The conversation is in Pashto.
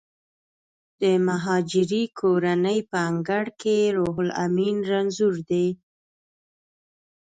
د مهاجرې کورنۍ په انګړ کې روح لامین رنځور دی